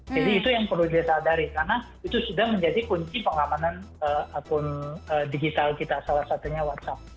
jadi itu yang perlu disadari karena itu sudah menjadi kunci pengamanan akun digital kita salah satunya whatsapp